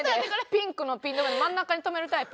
ピンクのピン留め真ん中に留めるタイプ？